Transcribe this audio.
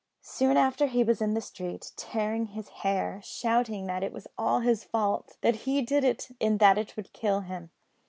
Soon after he was in the street, tearing his hair, shouting that it was all his fault; that he did it, and that it would kill him.